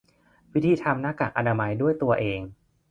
วิธีทำหน้ากากอนามัยด้วยตัวเอง